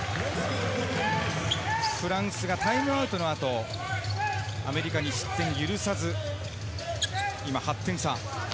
フランスはタイムアウトの後、アメリカに失点許さず、今、８点差。